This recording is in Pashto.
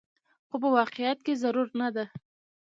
خو په واقعيت کې ضرور نه ده